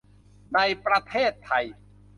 ในประเทศไทย